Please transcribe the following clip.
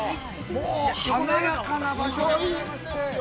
もう華やかな場所でございまして。